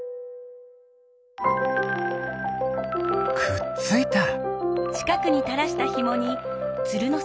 くっついた。